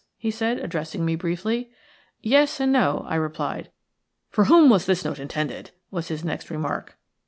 he said, addressing me briefly. "Yes and no," I replied. "For whom was this note intended?" was his next remark.